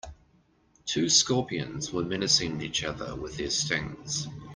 Two scorpions were menacing each other with their stings.